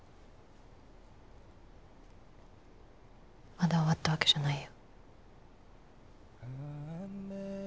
まだ終わったわけじゃないよ。